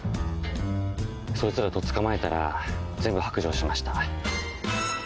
そいつらとっ捕まえたら全部白状しました。